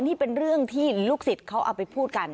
นี่เป็นเรื่องที่ลูกศิษย์เขาเอาไปพูดกัน